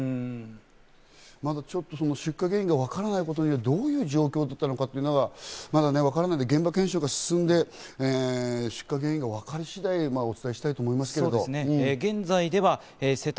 まだちょっと出火原因がわからないことにはどういう状況だったのかわからないので、現場検証が進んで出火原因がわかり次第、お伝えしたいと思いますけど。